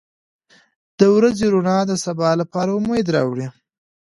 • د ورځې رڼا د سبا لپاره امید راوړي.